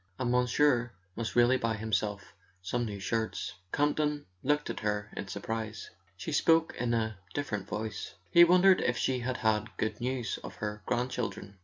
And monsieur must really buy himself some new shirts." Camp ton looked at her in surprise. She spoke in a different voice; he wondered if she had had good news of her grandchildren.